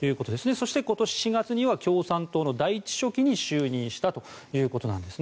そして、今年４月には共産党の第１書記に就任したということです。